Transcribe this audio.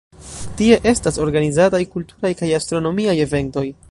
Tie estas organizataj kulturaj kaj astronomiaj eventoj.